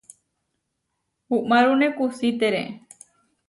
Uʼmárune kusítere.